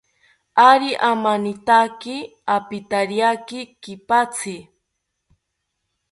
Ari amanitaki, opithariaki kipatzi